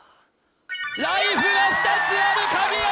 ライフが２つある影山